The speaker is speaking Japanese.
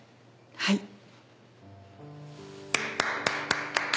はい。